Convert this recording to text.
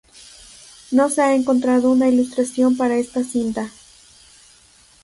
No se ha encontrado una ilustración para esta cinta.